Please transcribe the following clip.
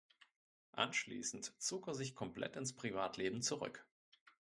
Anschließend zog er sich komplett ins Privatleben zurück.